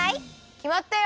きまったよ！